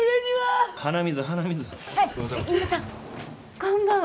こんばんは。